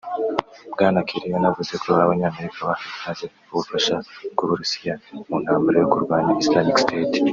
Bwana Kerry yanavuze ko Abanyamerika baha ikaze ubufasha bw’Uburusiya mu ntambara yo kurwanya Islamic State